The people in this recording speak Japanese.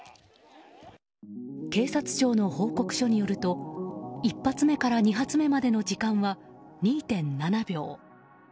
警察庁の報告書によると１発目から２発目の時間は２．７秒。